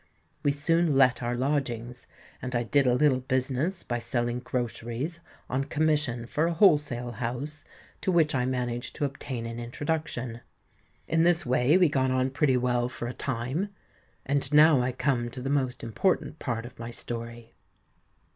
We soon let our lodgings, and I did a little business by selling groceries on commission for a wholesale house to which I managed to obtain an introduction. In this way we got on pretty well for a time; and now I come to the most important part of my story."